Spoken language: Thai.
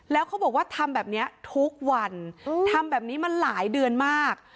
แล้วเขาบอกว่าทำแบบนี้ทุกวันทำแบบนี้มาหลายเดือนมาก